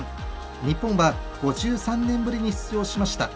日本は５３年ぶりに出場しました。